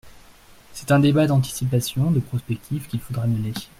C’est un débat d’anticipation, de prospective qu’il faudrait mener.